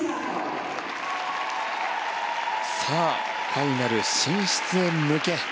ファイナル進出へ向け